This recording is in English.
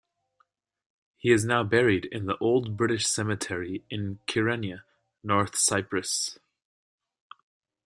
He is now buried in The Old British Cemetery in Kyrenia, North Cyprus.